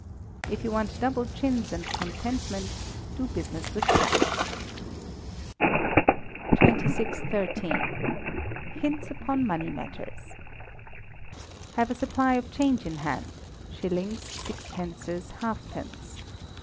If you want double chins and contentment, do business with cash. 2613. Hints upon Money Matters. Have a supply of change in hand shillings, sixpences, halfpence.